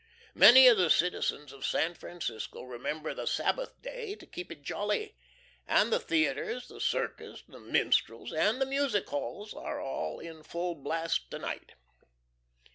Many of the citizens of San Francisco remember the Sabbath day to keep it jolly; and the theatres, the circus, the minstrels, and the music halls are all in full blast to night.